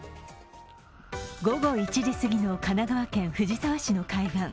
午後１時すぎの神奈川県藤沢市の海岸。